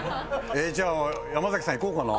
じゃあ山崎さんいこうかな。